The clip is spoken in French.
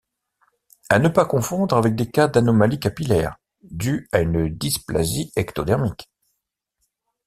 À ne pas confondre avec des cas d’anomalies capillaires dus à une dysplasie ectodermique.